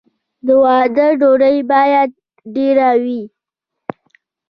د واده ډوډۍ باید ډیره وي.